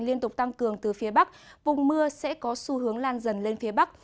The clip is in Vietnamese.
liên tục tăng cường từ phía bắc vùng mưa sẽ có xu hướng lan dần lên phía bắc